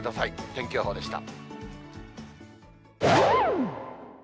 天気予報でした。